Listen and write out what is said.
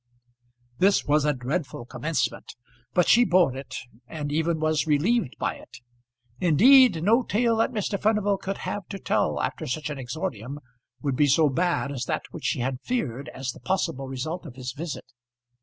This was a dreadful commencement, but she bore it, and even was relieved by it. Indeed, no tale that Mr. Furnival could have to tell after such an exordium would be so bad as that which she had feared as the possible result of his visit.